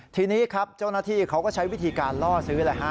ทีนี้ครับเจ้าหน้าที่เขาก็ใช้วิธีการล่อซื้อ